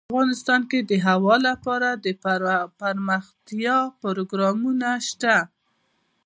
افغانستان کې د هوا لپاره دپرمختیا پروګرامونه شته.